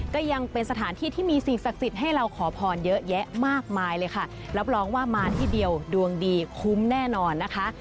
ก็ยังเป็นสถานที่ที่มีสิ่งศักดิ์สิทธิ์ให้เราขอพรเยอะแยะมากมายเลยค่ะรับรองว่ามาที่เดียวดวงดีคุ้มแน่นอนนะคะ